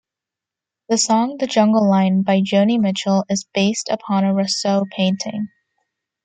The song, "The Jungle Line", by Joni Mitchell, is based upon a Rousseau painting.